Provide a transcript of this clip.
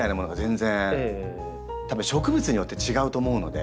たぶん植物によって違うと思うので。